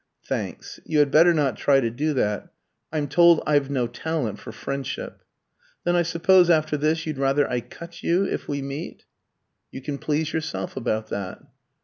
"Thanks. You had better not try to do that. I'm told I've no talent for friendship." "Then I suppose, after this, you'd rather I cut you, if we meet?" "You can please yourself about that."